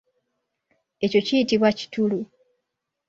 Ekyo kiyitibwa kitulu.